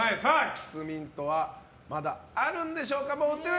キスミントはまだあるのでしょうか。